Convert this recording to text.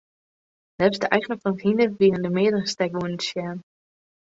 Neffens de eigener fan it hynder wiene der meardere stekwûnen te sjen.